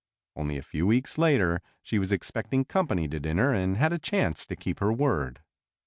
Only a few weeks later she was expecting company to dinner and had a chance to keep her word.